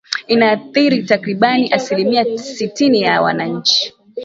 Inaathiri takribani asilimia sitini ya Wananchi